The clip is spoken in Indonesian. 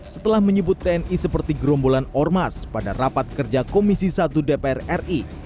setelah menyebut tni seperti gerombolan ormas pada rapat kerja komisi satu dpr ri